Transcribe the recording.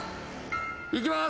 いきます。